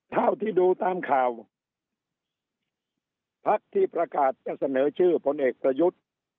เท่าที่ดูตามข่าวพักที่ประกาศจะเสนอชื่อพลเอกประยุทธ์